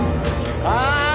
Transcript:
ああ！